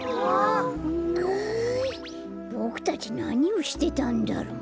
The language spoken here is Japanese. ボクたちなにをしてたんだろう？